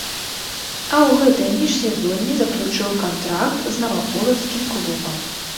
А ў гэтае міжсезонне заключыў кантракт з наваполацкім клубам.